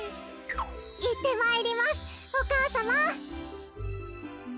いってまいりますお母さま。